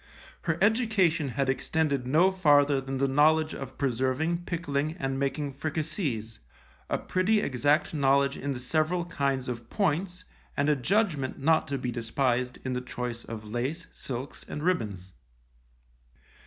Her education had extended no farther than the knowledge of preserving, pickling and making fricasees, a pretty exact knowledge in the several kinds of points and a judgment not to be despised in the choice of lace, silks and ribbons.